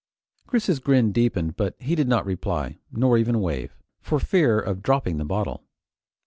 Chris's grin deepened but he did not reply, nor even wave, for fear of dropping the bottle.